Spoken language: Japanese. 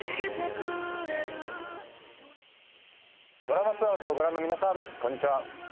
『ドラマツアーズ』をご覧の皆さんこんにちは。